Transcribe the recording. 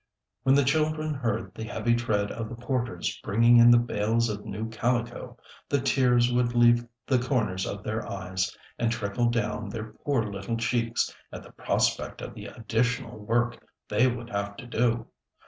When the children heard the heavy tread of the porters bringing in the bales of new calico, the tears would leave the corners of their eyes and trickle down their poor little cheeks, at the prospect of the additional work they would have to do.